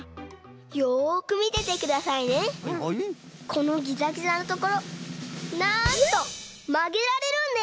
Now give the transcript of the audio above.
このギザギザのところなんとまげられるんです！